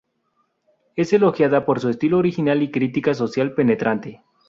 Es elogiada por su estilo original y crítica social penetrante.